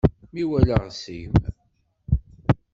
Mi waleɣ seg-m.